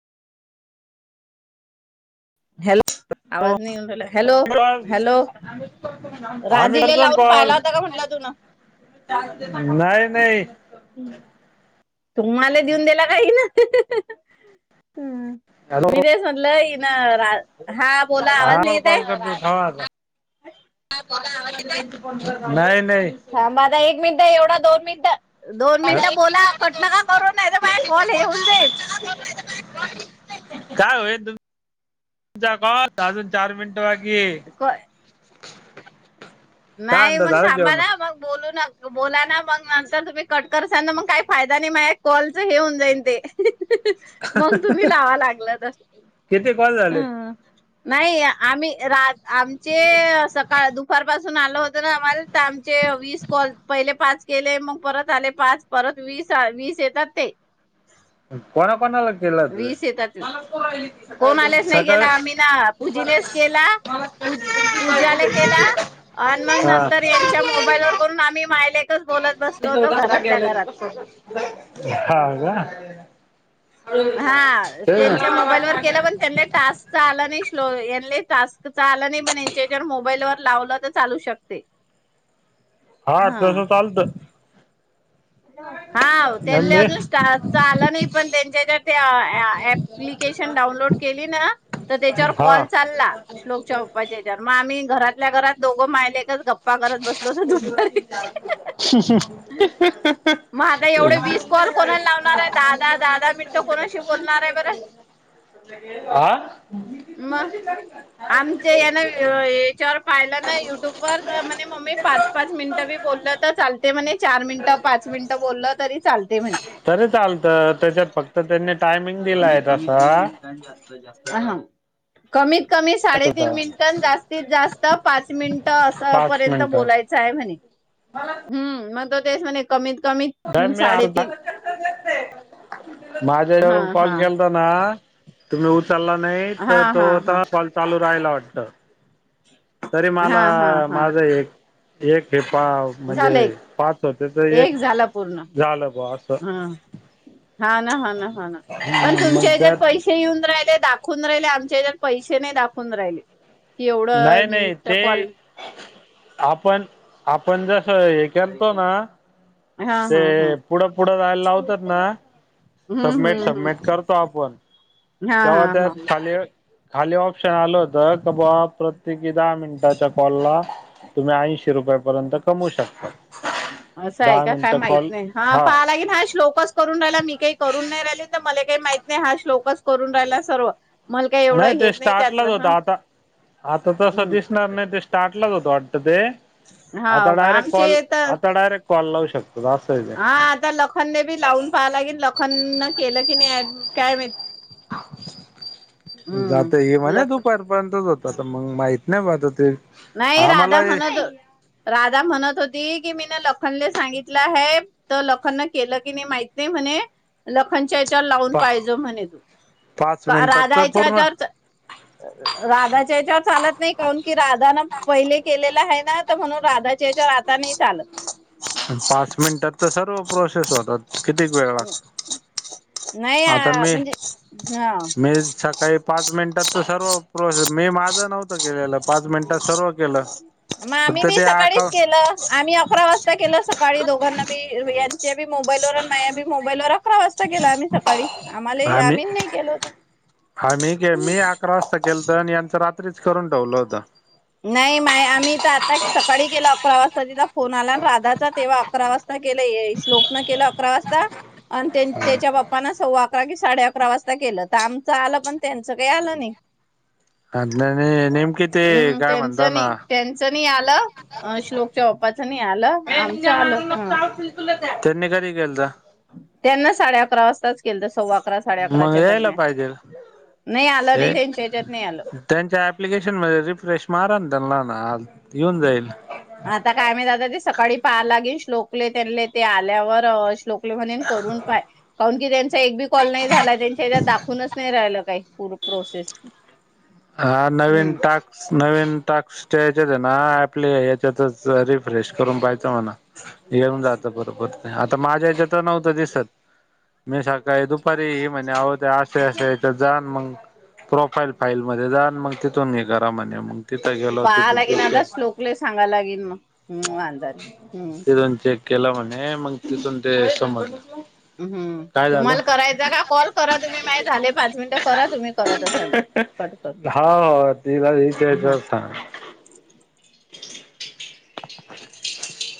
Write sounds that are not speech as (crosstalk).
Hello. आवाज नाही येऊन राहिला हॅलो हॅलो आम्ही राधीला करतो लावून पाहिला कॉल होता का म्हटलं तुन नाही नाही. तुम्हाला देऊन दिला का हिन. हम हॅलो मी तेस म्हटलं. रा (inaudible) बोला हा आवाज नाही मग येत कॉल आहे कर तु आता पोरगा आवाज देत आहे, नाही थांब आता एक मिनिट एवढा दोन मिनट दोन मिनिटं बोला कट नका करू नाही तर माझे कॉल येऊन जाईल. काय होईल तुम्म क अजून चार मिनट दड वा (inaudible) नाही मग झाला थांबा जेवण ना मग बोलू न तो बोला ना मग नंतर तुम्ही कट कर स ना मग काही फायदा नाही मग माझ्या कॉलच हे हुन जाईन ते. मग तुम्ही लावा लागल तर किती कॉल झाले ह. नाही आम्ही रा आमचे सकाळ दुपार पासून आल होत ना आमचे वीस कॉल, पहिले पाच केले मग परत आले पाच परत वीसा वीस येतात ते. कोणा कोणा लगत. वीस येतात. कोणालेच नाही सकाळ गेला आम्ही ना पूजीलेच केला. पूजाले केला आण मग हा नंतर यांच्या मोबाईल वर करून आम्ही मायलेक ह का? ना. हा त्यांच्या मोबाईलवर केला पण त्यांना टास्कचा आला नाही. यानले टास्क चा आलं नाही पणयांच्या जर मोबाईल वर लावलं तर चालू शकते. हा तसं चालत. हाऊ त्यांलेअजून स्टर च आलं नाही पण त्यांच्यायेजावर ते ऑप्लिकेशन डाउनलोड केली ना तर त्याच्यावर हा कॉल चालला श्लोकच्या पप्पाच्या येज्यावर मग आम्ही घरातल्या घरात दोघ मायलेच गप्पा करत बसलो होतो दुपारी ह् मग आता एवढे वीस कॉल कोणाला लावणार आहे दहा दहा दहा दहा हम्. मिनिटं कोणाशी बोलणार आहे बरं आह? मग आमच या ना याच्यावर पाहिलं ना युट्यूबवरर. तर म्हणी मम्मी पाच पाच मिनिट बी बोललं तर चालते म्हणे चार मिनिट पाच मिनिट बोललं तरी चालते म्हणे. तरी चालत त्याच्यात फक्त त्यांनी टायमिंग कमीत दिलाय कमी तसा तीन मिनिटांनी जास्त जास्त दहा मिनट. कमीत कमी साडेतीन होता मिनट न जास्तीत जास्त पाच मिनट अस पाच पर्यंत मिनिट बोलायचाय म्हणे, म्ह, म दोन मि तेच म्हणे कमी मी आ साडेतीन हा माझ्याून कॉल. हा. गलता ना आ तुम्ही. चालला नाही हा तर तो हा हा तवा कॉल चालू राहायला वाटत. तरी हा मला हा हा माझं एक. एक हे. पा म्हणजे झालं एक पाच होते तर एक झाला पूर्ण झालं ब असं ह हा ना हा ना ह ना पण मग तुमच्या हच्यात त्यात पैसे येऊन राहिलेत. दाखवून राहिले आमच्या याच्यात पैसे नाही दाखवून राहिले. कि एवढं नाही नाही मिनट ते कॉल. आपण आपण जर हेतो ना हा ते हा हा. पुढं पुढं जायला लावतात ना हम्म सबमिट हम्म सबमिट हम्म करतो आपण हा तेव्हा हा त्या हा. खाली बघ खाली ऑप्शन आल होत क बाबा प्रत्येकी दहा मिनिटाच्या कॉलला तुम्ही ऐंशी रुपयापर्यंत कमवू शकता असं आहे दहा का काय मिनिटं माहित कॉल नाही हा पहालागे ना हा श्लोकच करून राहिला मी काही करून नाही राहिली तर मले मला काही माहित नाही हा श्लोकच करून राहिला सर्व मला काही नाही एवढं ते हेच त्यातलं स्टार्टलाच होत हा आता आता तसं हम् दिसणार नाही ते स्टार्टलाच होत वाटत ते हा आता का डारेक कॉल आमचे तर आता डारेक कॉल लावू शको हा आता लखन ले बी लावून पाहा लागिन कि लखन न केलं की नाही काय माहित जात हे हम्म म्हणे लख दुपार पर्यंतच होतता मग माहित नाही ब ते नाही राधा आम्हाला म्हणत राधा म्हणत होती की मी लखन ला सांगितलं आहे तर लखन न केलं की नाही माहित नाही म्हणे लखनच्या लखनला लावून पाहिजे म्हणे पाच मिनिटात तर राधाच्या पूर्ण याच्यावर राधाचे याच्यावर चालत नाही काउनकी की पहिले केल आलेला आहे ना म्हणून राधाच्या याच्यावर आता नाही चालत पाच मिनिटात तर सर्व प्रोसेस होतात कितीक वेळ लागतो नाही आ, आता मी म्हणजे हा मी सकाळी पाच मिनिटात तर सर्व प्रोसेस मी माझं नव्हत केलेलं पाच मिनट मग आम्ही बी ते सकाळीच अकाउंट केलं आम्ही अकरा वाजता केलं सकाळी दोघांना बी त्यांचे त्यांच्या बी मोबाईलवर आणि माझ्या बी मोबाईलवर आम्ही अकरा वाजता आता केलं आम्ही सकाळी आम्हाला आम्ही नाही केलो आम्ही के मी अकरा वाजता केलत आणि यांचं रात्रीच करून ठेवलं होता नाही मा आम्ही तर आता सकाळी केलं अकरा वाजता तिचा फोन आला राधाचा तेव्हा अकरा वाजता केलं श्लोकन केलं अकरा वाजता अण त्याच्या बाप्पाना सव्वा अकरा वाजता अकरा कि साडे अकरा वाजता केलं तर आमचं आलं पण त्यांचं काही आलं नाही आज नाही येत हम त्यांचंनी त्यांचंनी आलं श्लोकच्या बाप्पाचं नि आलं आमचं आलं ह त्यांनी कधी केलं त त्यांना साडे अकरा वाजताच केलं तर सव्वा अकरा साडे मग अकराच्या यायला दरम्यान पाहिजे नाही आलं नाही त्यांच्या याच्यात नाही आलं त्यांच्या एप्लीकेशन मध्ये रिफ्रेश मार त्यां ना आ येऊन जाईल आता काय म्ह दादा ते सकाळी पहालागेन श्लोकले त्यांले ते आल्यावर श्लोक आप म्ह करून पा किरण एक बी कॉल नाही झालाय त्यांच्या हच्यात दाखवूनच नाही राहिलं काही पर प्रोसेस हा नवीन हम्म टास्क नवीन टास् च्यात ना आपले याच्यातच रिफ्रेश करून पाहिजे हो ना घेऊन जात बरोबर आता माझ्या याच्या तर नव्हतं दिसत मी सकाळी दुप री म्हणे असे अस जाण मग प्र (inaudible) म जा मग तिथून निघ घरामध्ये मग तिथं गेलो पाहा तिथं लागेल आता चेक स्लोकले सांगाव लागेल मग हम् वांदााने हम्म तिथून चेक केला म्हणे मग तिथून ते समज हम्म तुम्हाला करायचा का कॉल करा तुम्ही माही झाले पाच मिनिटं करा तुम्ही करत असाल तर कर हा हा (inaudible)